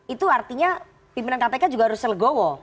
itu artinya pimpinan kpk juga harus selegowo